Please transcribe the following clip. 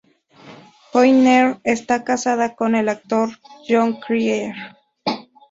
Joyner está casada con el actor Jon Cryer.